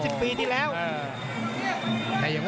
มันมีรายการมวยนัดใหญ่อยู่นัด